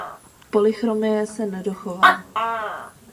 Polychromie se nedochovala.